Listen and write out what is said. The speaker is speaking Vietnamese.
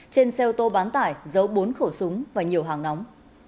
trên xe ô tô bán tải giấu bốn khẩu súng và nhiều hàng nóng